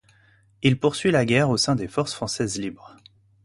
Il poursuit la guerre au sein des Forces françaises libres.